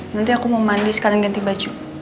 nanti aku mau mandi sekarang ganti baju